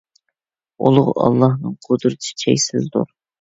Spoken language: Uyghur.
ئۇلۇغ ئاللاھنىڭ قۇدرىتى چەكسىزدۇر!